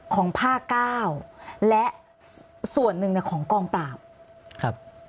ของผ้าก้าวและส่วนหนึ่งของกองปราบ